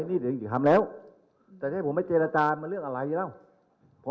นี่เดี๋ยวจะทำแล้วแต่ถ้าให้ผมไม่เจรจารย์มันเรื่องอะไรหรือเปล่า